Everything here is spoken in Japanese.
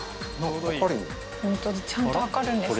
ホントだちゃんと量るんですね。